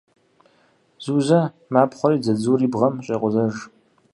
Зузэ мапхъуэри дзадзур и бгъэм щӏекъузэж.